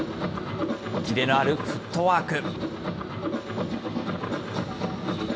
切れのあるフットワーク。